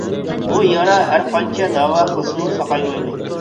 بۇ يارا ھەر قانچە داۋا قىلسىمۇ ساقايمايدۇ.